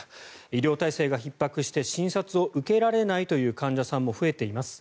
医療体制がひっ迫して診察を受けられないという患者さんも増えています。